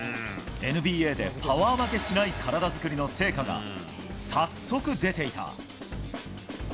ＮＢＡでパワー負けしない体作りの成果が、早速出ていた。